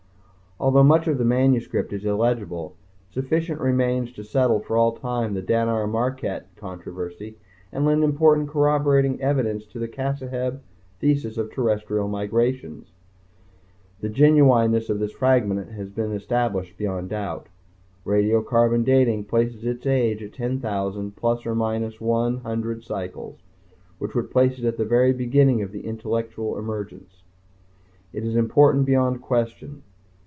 Although much of the manuscript is illegible, sufficient remains to settle for all time the Dannar Marraket Controversy and lend important corroborating evidence to the Cassaheb Thesis of Terrestrial migrations. The genuineness of this fragment has been established beyond doubt. Radiocarbon dating places its age at ten thousand plus or minus one hundred cycles, which would place it at the very beginning of the Intellectual Emergence. Its importance is beyond question.